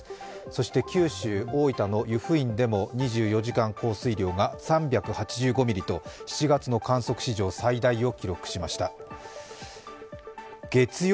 そして九州・大分の湯布院でも２４時間降水量が３８５ミリと７月の観測史上最大を記録しました